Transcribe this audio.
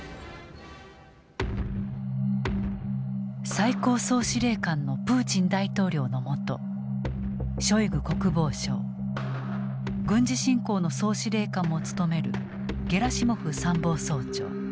最高総司令官のプーチン大統領のもとショイグ国防相軍事侵攻の総司令官も務めるゲラシモフ参謀総長。